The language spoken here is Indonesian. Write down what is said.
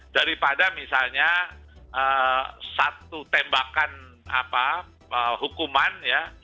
daripada misalnya satu tembakan hukuman ya